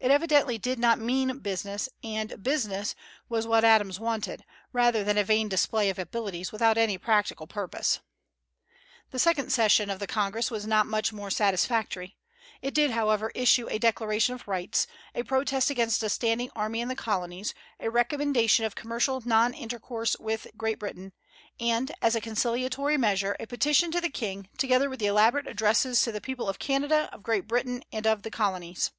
It evidently did not "mean business," and "business" was what Adams wanted, rather than a vain display of abilities without any practical purpose. The second session of the Congress was not much more satisfactory. It did, however, issue a Declaration of Rights, a protest against a standing army in the Colonies, a recommendation of commercial non intercourse with Great Britain, and, as a conciliatory measure, a petition to the king, together with elaborate addresses to the people of Canada, of Great Britain, and of the Colonies.